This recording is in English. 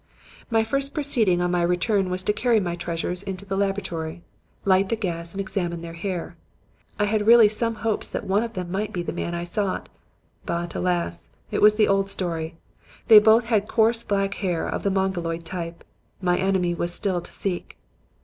"My first proceeding on my return was to carry my treasures to the laboratory, light the gas and examine their hair. I had really some hopes that one of them might be the man I sought. But, alas! It was the old story. They both had coarse black hair of the mongoloid type. My enemy was still to seek.